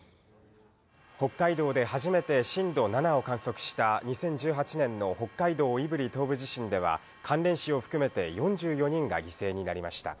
北海道で初めて震度７を観測した２０１８年の北海道胆振東部地震では、関連死を含めて４４人が犠牲になりました。